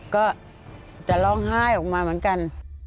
ก็จะร้องไห้ออกมาเหมือนกัน